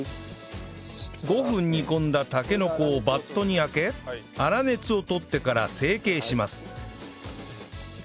５分煮込んだたけのこをバットにあけ粗熱をとってから成形します